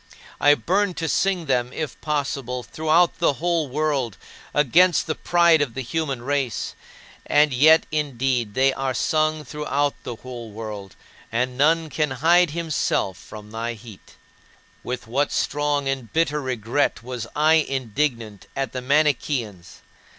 I burned to sing them if possible, throughout the whole world, against the pride of the human race. And yet, indeed, they are sung throughout the whole world, and none can hide himself from thy heat. With what strong and bitter regret was I indignant at the Manicheans!